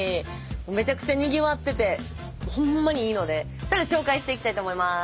めちゃくちゃにぎわっててホンマにいいので紹介していきたいと思います。